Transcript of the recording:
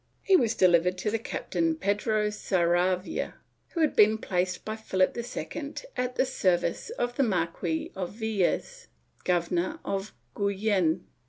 He was delivered to the Capitan Pedro Saravia, who had been placed by Philip II at the service of the Marquis of Villars, Governor of Guyenne.